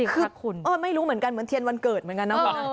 คืบคุณไม่รู้เหมือนกันเหมือนเทียนวันเกิดเหมือนกันนะ